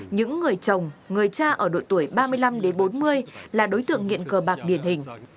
những người chồng người cha ở đội tuổi ba mươi năm đến bốn mươi là đối tượng nghiện cờ bạc điển hình